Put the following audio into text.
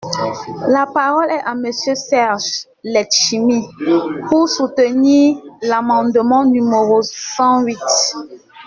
La parole est à Monsieur Serge Letchimy, pour soutenir l’amendement numéro cent huit.